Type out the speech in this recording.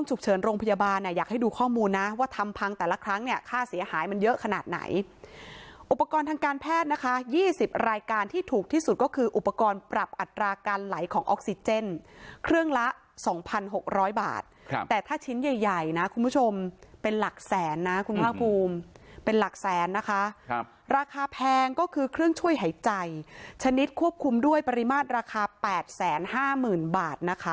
อุปกรณ์ทางการแพทย์นะคะ๒๐รายการที่ถูกที่สุดก็คืออุปกรณ์ปรับอัตราการไหลของออกซิเจนเครื่องละ๒๖๐๐บาทแต่ถ้าชิ้นใหญ่นะคุณผู้ชมเป็นหลักแสนนะคุณค่าภูมิเป็นหลักแสนนะคะราคาแพงก็คือเครื่องช่วยหายใจชนิดควบคุมด้วยปริมาตรราคา๘๕๐๐๐๐บาทนะคะ